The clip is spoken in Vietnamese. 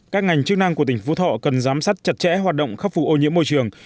các ngành chức năng của tỉnh phú thọ cần giám sát chặt chẽ hoạt động khắc phục ô nhiễm môi trường